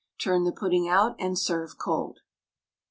Turn the pudding out and serve cold.